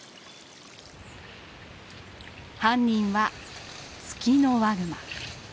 犯人はツキノワグマ。